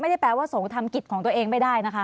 ไม่ได้แปลว่าสงฆ์ทำกิจของตัวเองไม่ได้นะคะ